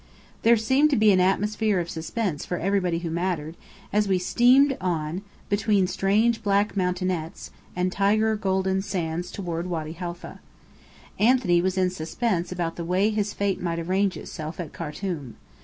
There seemed to be an atmosphere of suspense for everybody who mattered, as we steamed on between strange black mountainettes, and tiger golden sands toward Wady Halfa. Anthony was in suspense about the way his fate might arrange itself at Khartum.